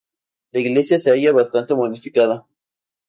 La iglesia se halla bastante modificada.